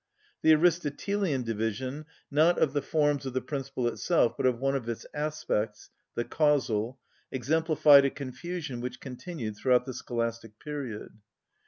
The Aristotelian division, not of the forms of the principle itself, but of one of its aspects, the causal, exemplified a confusion which continued throughout the Scholastic period.